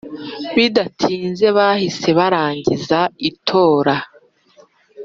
Bidatinze bahise batangiza itora